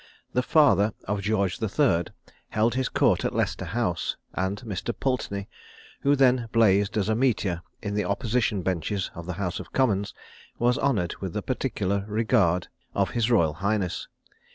The father of George the Third held his court at Leicester house; and Mr. Pulteney, who then blazed as a meteor on the opposition benches in the House of Commons, was honoured with the particular regard of His Royal Highness.